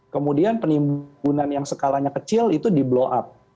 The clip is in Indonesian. kemudian penimbunan yang skalanya kecil itu di blow up